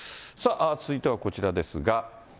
続いてはこちらですが。